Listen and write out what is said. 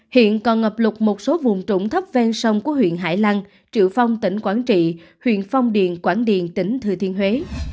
hiện còn ngập lụt một số vùng trụng thấp ven sông của huyện hải lăng triệu phong tỉnh quảng trị huyện phong điền quảng điền tỉnh thừa thiên huế